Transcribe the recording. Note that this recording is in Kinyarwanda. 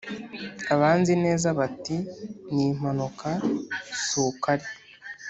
abanzi neza bati, ni impanuka si uko ari.